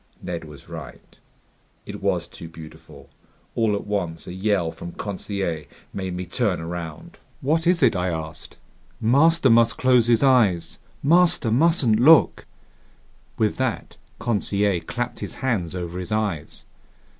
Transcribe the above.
Ned was right. It was too beautiful. All at once a yell from Conseil made me turn around. "What is it?" I asked. "Master must close his eyes! Master mustn't look!" With that, Conseil clapped his hands over his eyes.